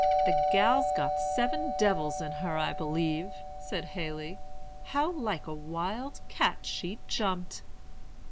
] "'The gal's got seven devils in her I believe,' said Haley. 'How like a wild cat she jumped!'